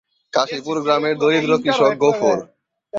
কাশীপুর গ্রামের দরিদ্র কৃষক গফুর।